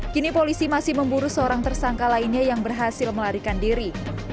kini polisi masih memburu seorang tersangka lainnya yang berhasil melarikan diri